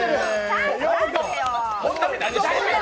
本並、何してんねん！